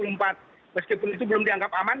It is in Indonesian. meskipun itu belum dianggap aman